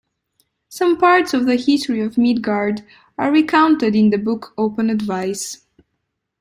Some parts of the history of Midgard are recounted in the book Open Advice.